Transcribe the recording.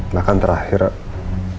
bahkan terakhir aku bicara dengan andi pun